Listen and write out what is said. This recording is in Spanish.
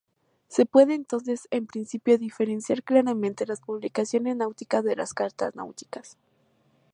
Se puede entonces, en principio, diferenciar claramente las "publicaciones náuticas" de las "cartas náuticas".